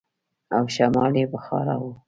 او شمال يې بخارا و.